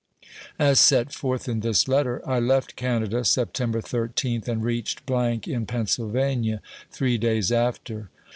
As set forth in this letter, I left Canada September 13th, and reached , in Pennsylvania, three days after.